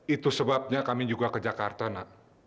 itu sebabnya kami juga ke jakarta nak